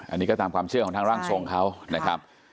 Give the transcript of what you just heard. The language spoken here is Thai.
อันนี้ก็ตามความเชื่อของทางร่างทรงเขานะครับ